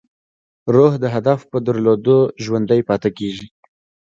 روح د هدف په درلودو ژوندی پاتې کېږي.